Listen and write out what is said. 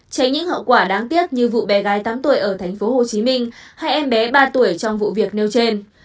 tránh những hậu quả đáng tiếc như vụ bé gái tám tuổi ở tp hcm hay em bé ba tuổi trong vụ việc nêu trên